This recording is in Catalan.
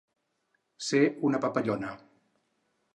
Ser una papallona.